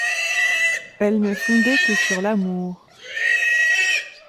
Elle n’est fondée que sur l’amour.